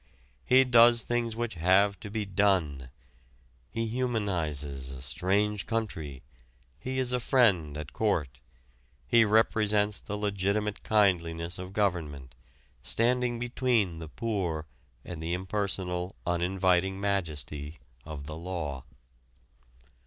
He does things which have to be done. He humanizes a strange country; he is a friend at court; he represents the legitimate kindliness of government, standing between the poor and the impersonal, uninviting majesty of the law.